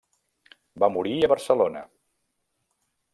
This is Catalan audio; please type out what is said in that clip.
Va morir a Barcelona.